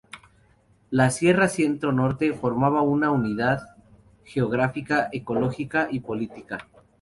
La Sierra centro-norte formaba una unidad geográfica, ecológica y política.